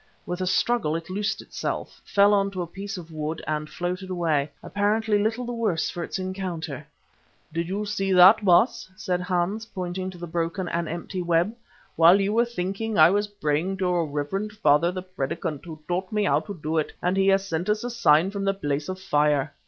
With a struggle it loosed itself, fell on to a piece of wood and floated away, apparently little the worse for the encounter. "Did you see that, Baas?" said Hans, pointing to the broken and empty web. "While you were thinking, I was praying to your reverend father the Predikant, who taught me how to do it, and he has sent us a sign from the Place of Fire."